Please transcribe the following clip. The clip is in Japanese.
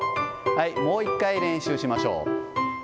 もう一回練習しましょう。